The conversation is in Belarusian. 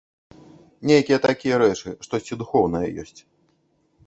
Нейкія такія рэчы, штосьці духоўнае ёсць.